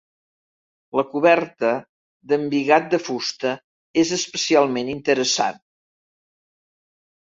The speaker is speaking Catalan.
La coberta, d'embigat de fusta, és especialment interessant.